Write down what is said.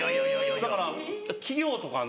だから企業とかの。